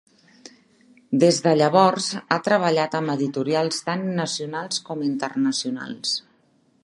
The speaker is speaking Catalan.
Des de llavors, ha treballat amb editorials tant nacionals com internacionals.